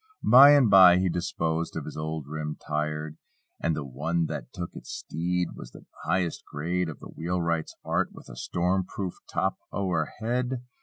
Bye and bye he disposed of his old "rim tired" And the one that took its stead Was the highest grade of the wheel wright's art, With a storm proof top o'er head.